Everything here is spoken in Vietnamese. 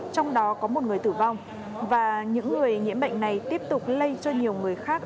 trong đó có một người tử vong và những người nhiễm bệnh này tiếp tục lây cho nhiều người khác